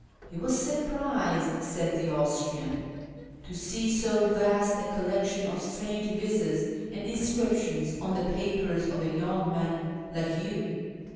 " He was surprised," said the Austrian, "to see so vast a collection of strange visas and inscriptions on the papers of a young man like you."